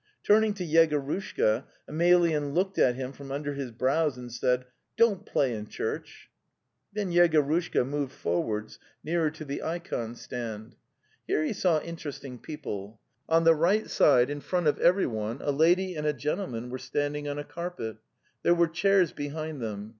Turning to Yegorushka, Emelyan looked at him from under his brows and said: 'Don't play in church! " Then Yegorushka moved forwards nearer to the The Steppe 235 ikon stand. Here he saw interesting people. On the right side, in front of everyone, a lady and a gentleman were standing on a carpet. There were chairs behind them.